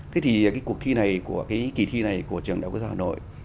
thế thì cái cuộc thi này của cái kỳ thi này của trường đại học giáo hà nội